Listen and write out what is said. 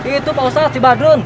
itu pak ustadz si badrun